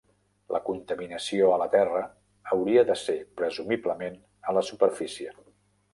La contaminació a la terra hauria de ser, presumiblement, a la superfície.